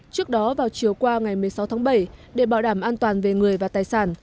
trước đó vào chiều qua ngày một mươi sáu tháng bảy để bảo đảm an toàn về người và tài sản